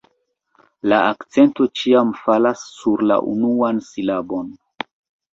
La akcento ĉiam falas sur la unuan silabon.